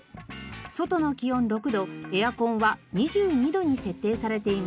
外の気温６度エアコンは２２度に設定されています。